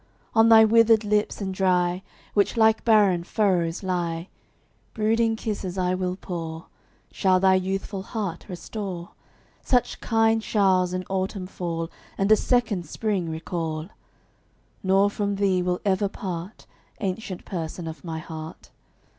On thy withered lips and dry, Which like barren furrows lie, Brooding kisses I will pour, Shall thy youthful heart restore, Such kind show'rs in autumn fall, And a second spring recall; Nor from thee will ever part, Ancient Person of my heart.